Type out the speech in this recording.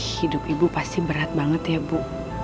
hidup ibu pasti berat banget ya bu